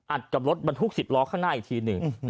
กับรถบรรทุก๑๐ล้อข้างหน้าอีกทีหนึ่ง